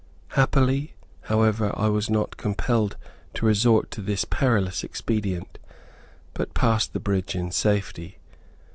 Happily, however, I was not compelled to resort to this perilous expedient, but passed the bridge in safety.